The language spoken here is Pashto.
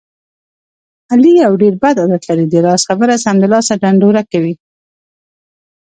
علي یو ډېر بد عادت لري. د راز خبره سمدلاسه ډنډوره کوي.